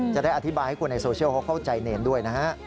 จะได้อธิบายให้คนในโซเชียลเขาเข้าใจเนรด้วยนะฮะ